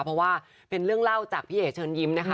เพราะว่าเป็นเรื่องเล่าจากพี่เอ๋เชิญยิ้มนะคะ